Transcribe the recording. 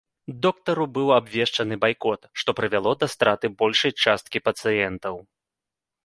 Доктару быў абвешчаны байкот, што прывяло да страты большай часткі пацыентаў.